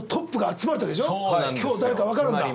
今日誰かわかるんだ？